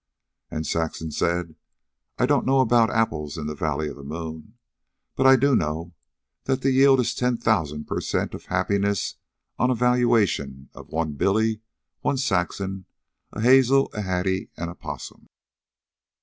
And Saxon said, "I don't know about apples in the valley of the moon, but I do know that the yield is ten thousand per cent. of happiness on a valuation of one Billy, one Saxon, a Hazel, a Hattie, and a Possum."